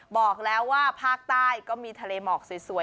บอกแล้วว่าภาคใต้ก็มีทะเลหมอกสวย